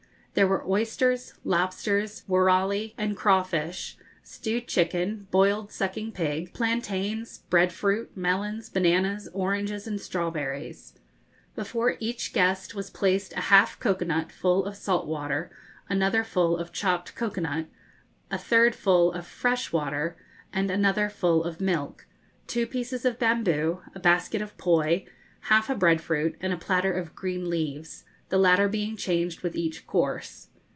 There were oysters, lobsters, wurrali, and crawfish, stewed chicken, boiled sucking pig, plantains, bread fruit, melons, bananas, oranges, and strawberries. Before each guest was placed a half cocoa nut full of salt water, another full of chopped cocoa nut, a third full of fresh water, and another full of milk, two pieces of bamboo, a basket of poi, half a bread fruit, and a platter of green leaves, the latter being changed with each course.